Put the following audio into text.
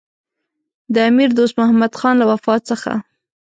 د امیر دوست محمدخان له وفات څخه.